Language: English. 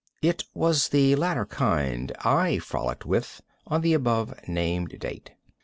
It was the latter kind I frolicked with on the above named date.